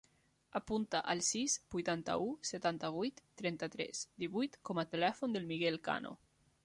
Apunta el sis, vuitanta-u, setanta-vuit, trenta-tres, divuit com a telèfon del Miguel Cano.